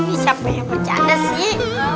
ini siapa yang bercanda sih